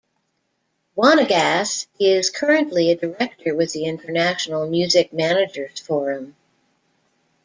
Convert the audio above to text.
Wanagas is currently a director with the International Music Manager's Forum.